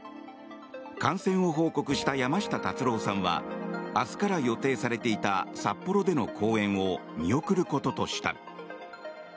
感染を報告した山下達郎さんは明日から予定されていた札幌での公演を見送ることとした。